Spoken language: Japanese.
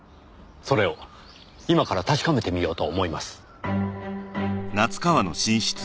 それを今から確かめてみようと思います。